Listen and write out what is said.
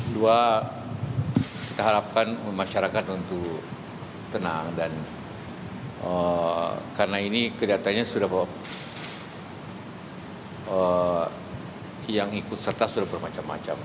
dua kita harapkan masyarakat untuk tenang dan karena ini kelihatannya sudah bahwa yang ikut serta sudah bermacam macam